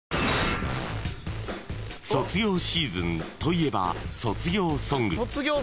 ［卒業シーズンといえば卒業ソング］